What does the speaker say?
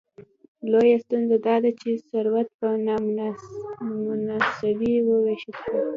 لویه ستونزه داده چې ثروت په نامساوي ویشل شوی.